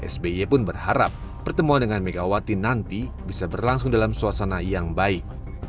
sby pun berharap pertemuan dengan megawati nanti bisa berlangsung dalam suasana yang baik